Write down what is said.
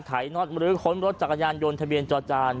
ขน็อตมรื้อค้นรถจักรยานยนต์ทะเบียนจอจาน